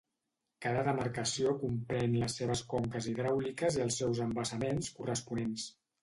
Cada demarcació comprèn les seves conques hidràuliques i els seus embassaments corresponents.